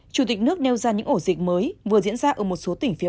chủ tịch nước nêu ra những ổ dịch mới vừa diễn ra ở một số tỉnh phía